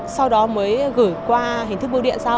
sau đó mới gửi qua hình thức bưu điện sau